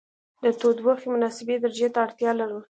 د تودوخې مناسبې درجې ته اړتیا لرو.